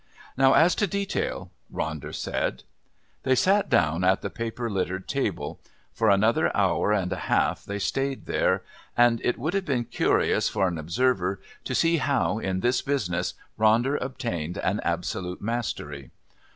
"Now as to detail..." Ronder said. They sat down at the paper littered table. For another hour and a half they stayed there, and it would have been curious for an observer to see how, in this business, Ronder obtained an absolute mastery.